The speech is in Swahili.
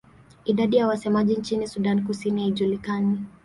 Idadi ya wasemaji nchini Sudan Kusini haijulikani.